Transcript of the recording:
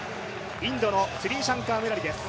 インドのスリーシャンカーです。